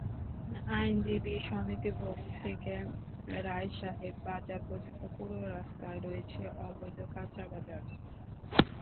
আইনজীবী সমিতি ভবন থেকে রায়সাহেব বাজার পর্যন্ত পুরো রাস্তায় রয়েছে অবৈধ কাঁচাবাজার।